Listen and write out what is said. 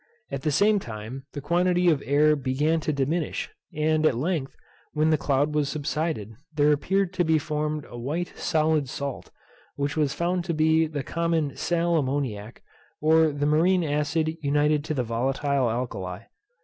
At the same time the quantity of air began to diminish, and, at length, when the cloud was subsided, there appeared to be formed a solid while salt, which was found to be the common sal ammoniac, or the marine acid united to the volatile alkali.